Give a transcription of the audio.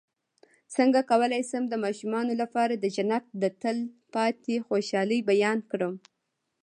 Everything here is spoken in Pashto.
څنګه کولی شم د ماشومانو لپاره د جنت د تل پاتې خوشحالۍ بیان کړم